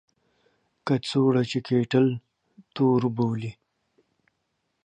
کڅوړه چې کیټل تور بولي.